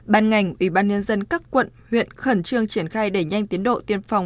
ban ngành ủy ban nhân dân các quận huyện khẩn trương triển khai đẩy nhanh tiến độ tiêm phòng